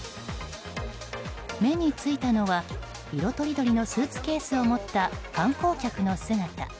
目についたのは色とりどりのスーツケースを持った観光客の姿。